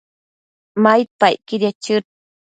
maidpacquidiec chëd